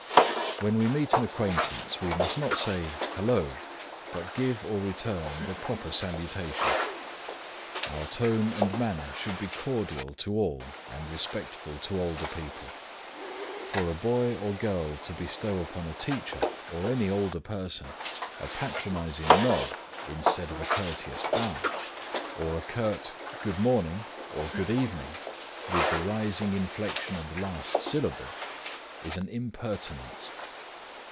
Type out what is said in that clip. When we meet an acquaintance we must not say, "Halloa!" but give or return the proper salutation. Our tone and manner should be cordial to all and respectful to older people. For a boy or girl to bestow upon a teacher or any older person a patronizing nod instead of a courteous bow, or a curt "Good morning" or "Good evening" with the rising inflection on the last syllable, is an impertinence.